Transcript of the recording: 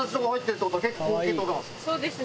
そうですね。